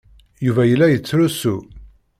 Yuba yella yettrusu.